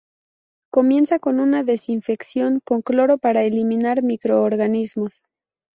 Comienza con una desinfección con cloro para eliminar microorganismos.